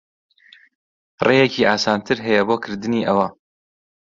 ڕێیەکی ئاسانتر ھەیە بۆ کردنی ئەوە.